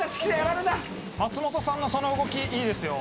松本さんのその動きいいですよ。